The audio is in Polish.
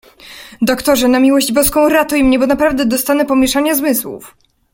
"Doktorze, na miłość Boską, ratuj mnie, bo naprawdę dostanę pomieszania zmysłów!"